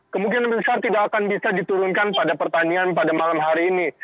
kemungkinan besar tidak akan bisa diturunkan pada pertandingan pada malam hari ini